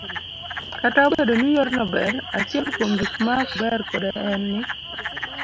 Kata obedo ni yorno ber, achiel kuom gik ma ok ber kode en ni,